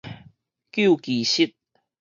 究其實